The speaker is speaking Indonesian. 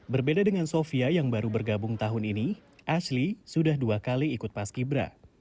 berbeda dengan sofia yang baru bergabung tahun ini asli sudah dua kali ikut paski bra